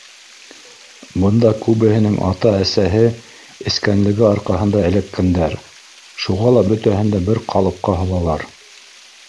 Бында күбеһенең атаһы-әсәһе эскәнлеге арҡаһында эләккәндәр, шуға ла бөтәһен дә бер ҡалыпҡа һалалар.